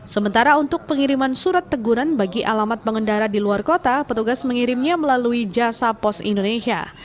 sementara untuk pengiriman surat teguran bagi alamat pengendara di luar kota petugas mengirimnya melalui jasa pos indonesia